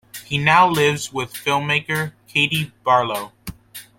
He now lives with film-maker Katie Barlow.